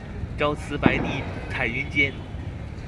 朝辞白帝彩云间